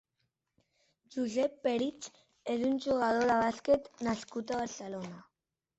Josep Perich és un jugador de bàsquet nascut a Barcelona.